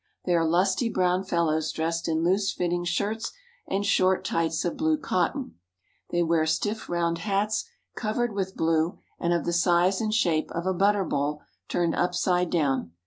They are lusty brown fellows dressed in loose fitting shirts and short tights of blue cotton. They wear 1^ . stiff round hats covered with blue and of the size and shape of a butter bowl turned upside down.